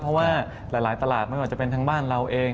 เพราะว่าหลายตลาดไม่ว่าจะเป็นทั้งบ้านเราเอง